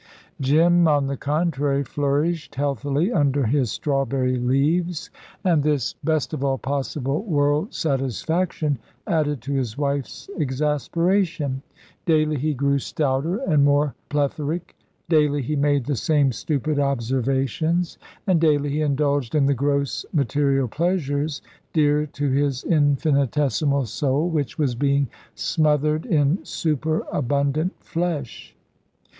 Jim, on the contrary, flourished healthily under his strawberry leaves, and this best of all possible world satisfaction added to his wife's exasperation. Daily he grew stouter and more plethoric, daily he made the same stupid observations, and daily he indulged in the gross material pleasures dear to his infinitesimal soul, which was being smothered in superabundant flesh.